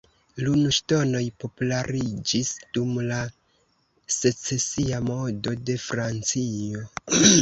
Lunŝtonoj populariĝis dum la Secesia modo de Francio.